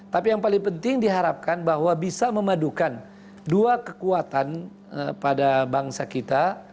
tapi yang paling penting diharapkan bahwa bisa memadukan dua kekuatan pada bangsa kita